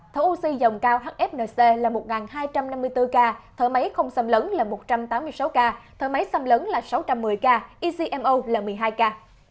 thở oxy dòng cao hfnc là một hai trăm năm mươi bốn ca thở máy không xâm lấn là một trăm tám mươi sáu ca thở máy xâm lấn là sáu trăm một mươi ca ecmo là một mươi hai ca